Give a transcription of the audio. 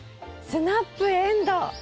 スナップエンドウ！